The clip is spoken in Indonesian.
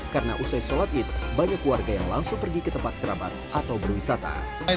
karena usai sholat itu banyak warga yang langsung pergi ke tempat kerabat atau berwisata